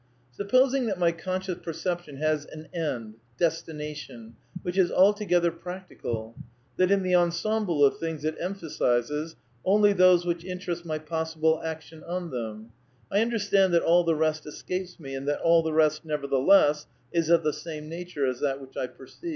^^ Supposing that my conscious perception has an end (destination) which is altogether practical, that in the en semble of things it emphasizes (dessine) only those which interest my possible action on them : I understand that all the rest escapes me, and that all the rest, nevertheless, is of the same nature as that which I perceive."